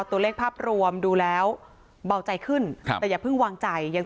ตัวเลขภาพรวมดูแล้วเบาใจขึ้นครับแต่อย่าเพิ่งวางใจยัง